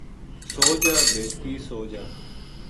سو جا بیٹکی سو جا